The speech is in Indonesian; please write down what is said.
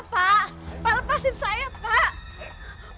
pak lepasin saya pak